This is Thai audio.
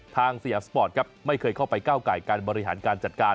สยามสปอร์ตครับไม่เคยเข้าไปก้าวไก่การบริหารการจัดการ